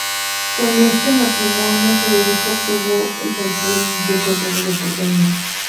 Con este matrimonio, Federico obtuvo el control del condado de Borgoña.